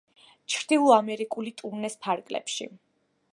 ჩრდილო ამერიკული ტურნეს ფარგლებში.